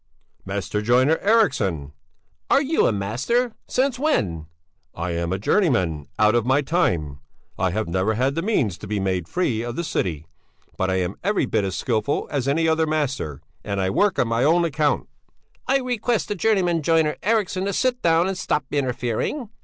"Master joiner Eriksson." "Are you a master? Since when?" "I am a journeyman out of my time; I have never had the means to be made free of the city, but I am every bit as skilful as any other master and I work on my own account." "I request the journeyman joiner Eriksson to sit down and stop interfering.